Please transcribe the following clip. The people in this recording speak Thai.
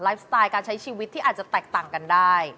สไตล์การใช้ชีวิตที่อาจจะแตกต่างกันได้